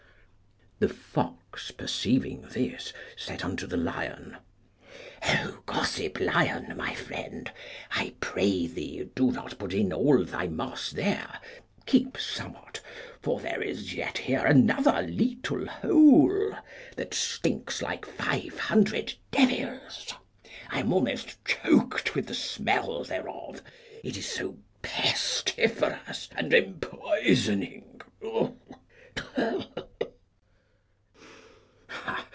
The fox, perceiving this, said unto the lion, O gossip lion, my friend, I pray thee do not put in all thy moss there; keep somewhat, for there is yet here another little hole, that stinks like five hundred devils; I am almost choked with the smell thereof, it is so pestiferous and empoisoning.